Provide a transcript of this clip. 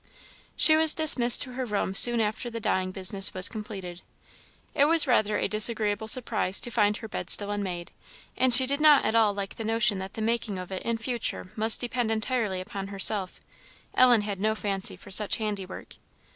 She was dismissed to her room soon after the dyeing business was completed. It was rather a disagreeable surprise to find her bed still unmade; and she did not at all like the notion that the making of it in future must depend entirely upon herself Ellen had no fancy for such handiwork.